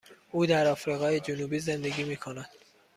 او در آفریقای جنوبی زندگی می کند.